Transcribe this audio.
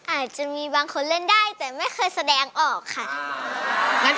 อาจจะมีบางคนเล่นได้แต่ไม่เคยแสดงออกค่ะ